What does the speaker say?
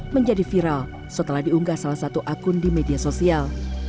menjadi viral setelah diunggah salah satu akun di media sosial